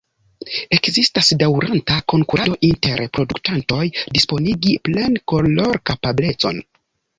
Ekzistas daŭranta konkurado inter produktantoj disponigi plen-kolorokapablecon.